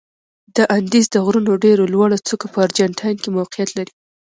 د اندیز د غرونو ډېره لوړه څوکه په ارجنتاین کې موقعیت لري.